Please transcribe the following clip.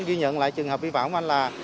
ghi nhận lại trường hợp vi phạm của anh là